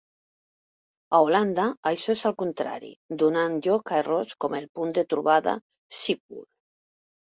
A Holanda això és al contrari, donant lloc a errors com el "punt de trobada Schiphol".